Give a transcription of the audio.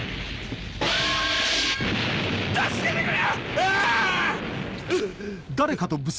助けてくれ！